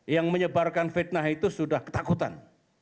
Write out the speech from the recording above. yang menyebarkan fitnah itu sudah ketakutan